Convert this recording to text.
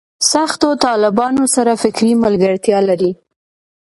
سختو طالبانو سره فکري ملګرتیا لري.